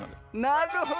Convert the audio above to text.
なるほど。